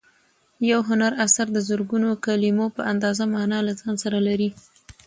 یو هنري اثر د زرګونو کلیمو په اندازه مانا له ځان سره لري.